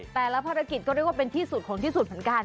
แต่ละภารกิจก็เรียกว่าเป็นที่สุดของที่สุดเหมือนกัน